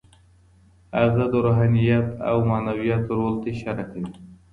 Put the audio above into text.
هغه د روحانيت او معنويت رول ته اشاره کوي.